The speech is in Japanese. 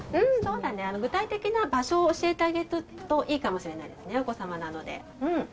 具体的な場所を教えてあげるといいかもしれないですね、お子様なので。